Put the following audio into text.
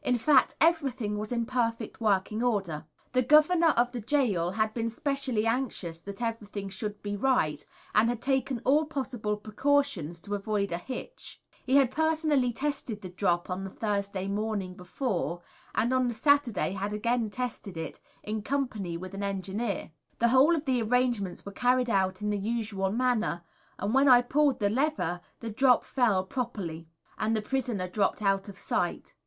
In fact, everything was in perfect working order. The Governor of the gaol had been specially anxious that everything should be right, and had taken all possible precautions to avoid a hitch. He had personally tested the drop on the Thursday morning before, and on the Saturday had again tested it, in company with an engineer. The whole of the arrangements were carried out in the usual manner, and when I pulled the lever the drop fell properly, and the prisoner dropped out of sight.